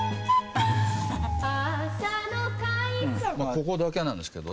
ここだけなんですけど。